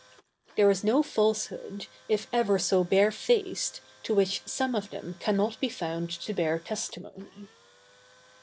There is no falsehood, if ever so barefaced, to which some of them cannot be found to bear testimony.